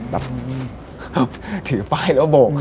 แบบถือป้ายแล้วโบก